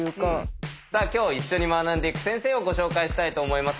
さあ今日一緒に学んでいく先生をご紹介したいと思います。